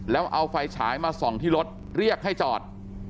แล้วเอาไฟฉายมาส่องที่รถเรียกให้จอด